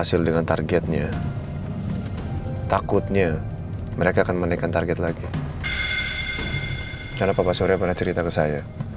sebenernya gue takut sih ketemu sama ricky